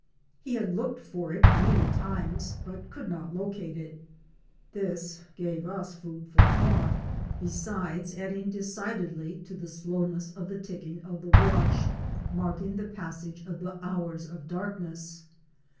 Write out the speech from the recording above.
'' He had looked for it many times, but could not locate it. This gave us food for thought, 74. OUR SEARCH FOR A WILDERNESS. besides adding decidedly to the slowness of the ticking of the watch marking the passage of the hours of darkness.